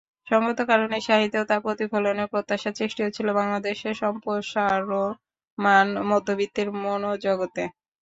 সংগত কারণেই সাহিত্যেও তাঁর প্রতিফলনের প্রত্যাশা সৃষ্টি হচ্ছিল বাংলাদেশের সম্প্রসারমাণ মধ্যবিত্তের মনোজগতে।